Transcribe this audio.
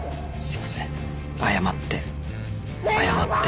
すいません